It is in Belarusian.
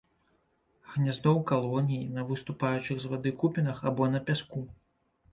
Гняздо ў калоніі, на выступаючых з вады купінах або на пяску.